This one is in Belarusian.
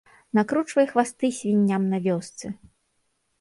Накручвай хвасты свінням на вёсцы!